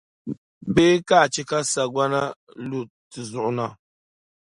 Bee ka a chɛ ka sagbana lu ti zuɣu na?